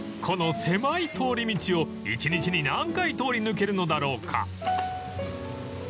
［この狭い通り道を１日に何回通り抜けるのだろうか］